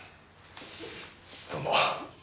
どうも。